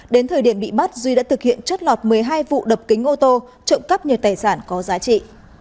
đến thời điểm bị bắt duy đã thực hiện chất lọt một mươi hai vụ đập kính ô tô trộm cắp nhiều tài sản có giá trị